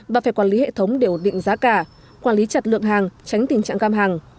và phải quản lý hệ thống để ổn định giá cả quản lý chặt lượng hàng tránh tình trạng găm hàng